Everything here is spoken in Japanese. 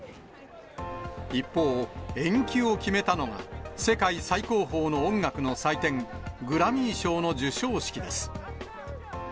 一方、延期を決めたのが、世界最高峰の音楽の祭典、グラミー賞の授賞式です。